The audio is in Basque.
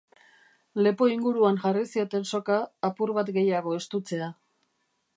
Lepo inguruan jarri zioten soka apur bat gehiago estutzea.